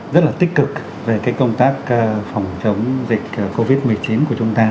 rất là tích cực về công tác phòng chống dịch covid một mươi chín của chúng ta